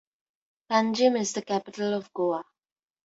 Panjim is the capital of Goa.